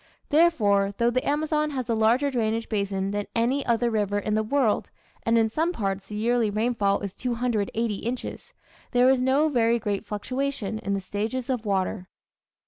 Therefore, though the Amazon has a larger drainage basin than any other river in the world, and in some parts the yearly rainfall is 280 inches, there is no very great fluctuation in the stages of water.